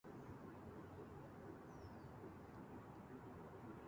La mayoría de la extensión de esta troncal forma parte de la Carretera Panamericana.